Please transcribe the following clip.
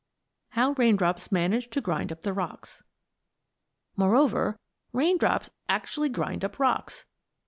HOW RAINDROPS MANAGE TO GRIND UP THE ROCKS Moreover, raindrops actually grind up rocks.